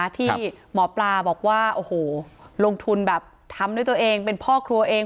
ที่หมอปลาบอกว่าโอ้โหลงทุนแบบทำด้วยตัวเองเป็นพ่อครัวเอง